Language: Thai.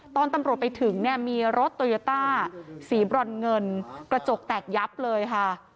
ตอนตำรวจไปถึงเนี่ยมีรถโตโยต้าสีบรอนเงินกระจกแตกยับเลยค่ะ